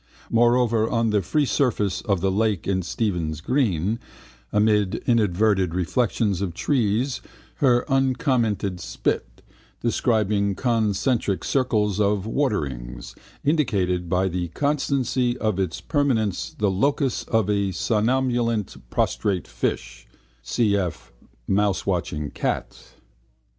Moreover, on the free surface of the lake in Stephen's green amid inverted reflections of trees her uncommented spit, describing concentric circles of waterrings, indicated by the constancy of its permanence the locus of a somnolent prostrate fish (cf mousewatching cat).